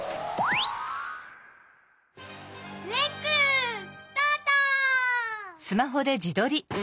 レックスタート！